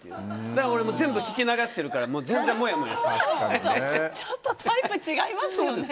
だから全部聞き流してるからちょっとタイプ違いますね。